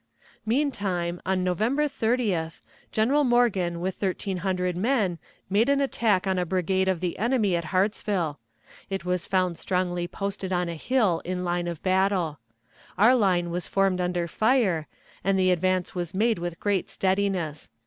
Meantime, on November 30th, General Morgan with thirteen hundred men made an attack on a brigade of the enemy at Hartsville. It was found strongly posted on a hill in line of battle. Our line was formed under fire, and the advance was made with great steadiness.